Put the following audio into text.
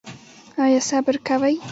ایا صبر کوئ؟